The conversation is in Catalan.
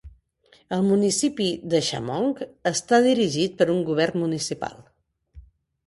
El municipi de Shamong està dirigit per un govern municipal.